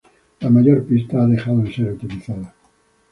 La mayor pista ha dejado de ser utilizada.